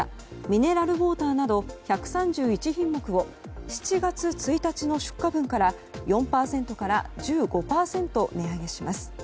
ミネラルウォーターなど１３１品目を７月１日の出荷分から４％から１５％値上げします。